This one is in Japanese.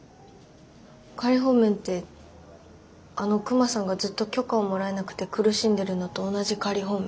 仮放免ってあのクマさんがずっと許可をもらえなくて苦しんでるのと同じ仮放免？